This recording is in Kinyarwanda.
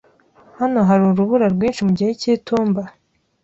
Hano hari urubura rwinshi mu gihe cy'itumba?